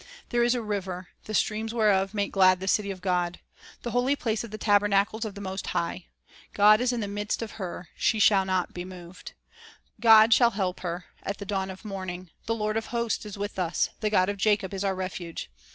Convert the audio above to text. "There is a river, the streams whereof make glad the city of God, The holy place of the tabernacles of the Most High. God is in the midst of her; she shall not be moved : God shall help her, at the dawn of morning. ... The Lord of hosts is with us; The God of Jacob is our refuge."